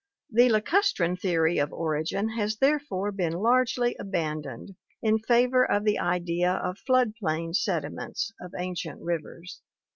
The lacustrine theory of origin has therefore been largely abandoned in favor of the idea of flood plain sediments of ancient rivers.